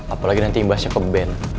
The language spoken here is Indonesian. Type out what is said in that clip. apalagi nanti imbasnya keben